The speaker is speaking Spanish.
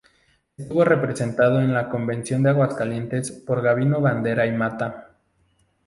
Estuvo representado en la Convención de Aguascalientes por Gabino Bandera y Mata.